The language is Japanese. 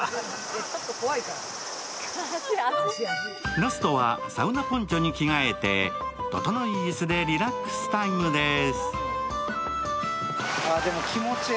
ラストはサウナポンチョに着替えて、ととのい椅子でリラックスタイムです。